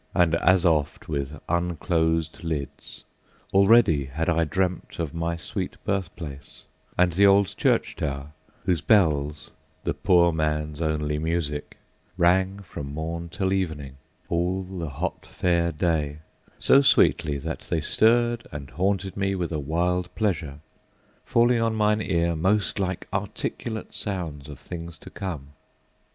and as oft With unclosed lids, already had I dreamt Of my sweet birth place, and the old church tower, Whose bells, the poor man's only music, rang From morn to evening, all the hot Fair day, So sweetly, that they stirred and haunted me With a wild pleasure, falling on mine ear Most like articulate sounds of things to come!